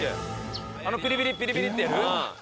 あのピリピリピリピリってやる？